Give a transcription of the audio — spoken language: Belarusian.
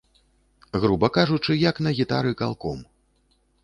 Груба кажучы, як на гітары калком.